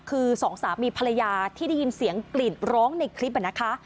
คือสองสามีภรรยาที่ได้ยินเสียงกลิ่นร้องในคลิปนะคะ